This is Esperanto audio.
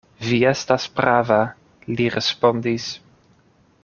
Vi estas prava, li respondis.